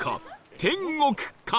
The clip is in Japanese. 天国か？